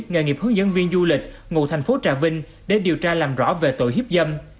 nghề nghiệp hướng dẫn viên du lịch ngụ thành phố trà vinh để điều tra làm rõ về tội hiếp dâm